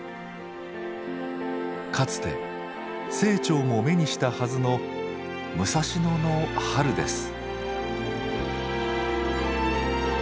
かつて清張も目にしたはずの武蔵野の春です。